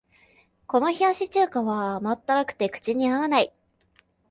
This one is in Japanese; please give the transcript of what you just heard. この冷やし中華は甘ったるくて口に合わない